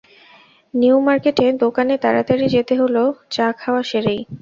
নিয়ু মার্কেটের দোকানে তাড়াতাড়ি যেতে হল চা খাওয়া সেরেই।